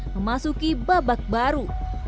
memasuki babak baru